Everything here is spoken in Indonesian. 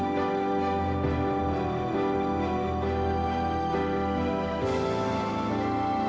beneran kamu cinta sama daniel